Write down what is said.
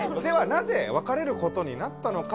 なぜ別れることになったのかという。